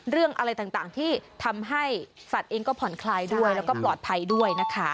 เรื่องอะไรต่างที่ทำให้สัตว์เองก็ผ่อนคลายด้วยแล้วก็ปลอดภัยด้วยนะคะ